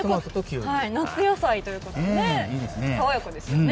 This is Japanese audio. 夏野菜ということで爽やかですね。